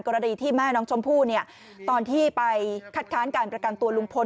กรณีที่แม่น้องชมพู่เนี่ยตอนที่ไปคัดค้านการประกันตัวลุงพล